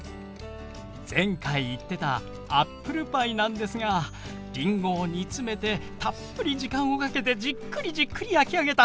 前回言ってたアップルパイなんですがりんごを煮詰めてたっぷり時間をかけてじっくりじっくり焼き上げた